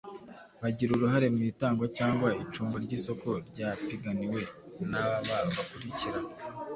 bagira uruhare mu itangwa cyangwa icungwa ry’isoko ryapiganiwe n’aba bakurikira: